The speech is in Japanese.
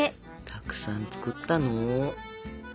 たくさん作ったの。